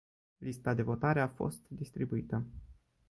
Lista de votare a fost distribuită.